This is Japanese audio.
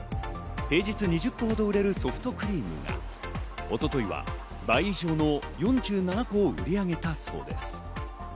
平日２０個ほど売れるソフトクリームが、一昨日は倍以上の４７個、売り上げたそうです。